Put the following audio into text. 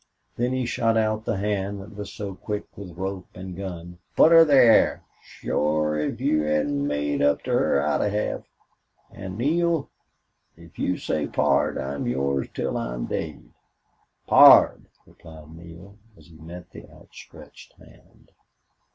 Then he shot out the hand that was so quick with rope and gun. "Put her thar! Shore if you hadn't made up to her I'd have.... An', Neale, if you say Pard, I'm yours till I'm daid!" "Pard!" replied Neale, as he met the outstretched hand.